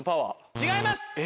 違います